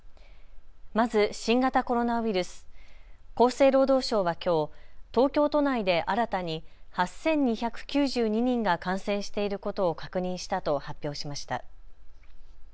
まず新型コロナウイルス、厚生労働省はきょう東京都内で新たに８２９２人が感染していることを確認したと発表しました。